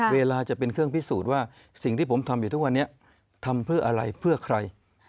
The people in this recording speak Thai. เวลาจะเป็นเครื่องพิสูจน์ว่าสิ่งที่ผมทำอยู่ทุกวันนี้ทำเพื่ออะไรเพื่อใคร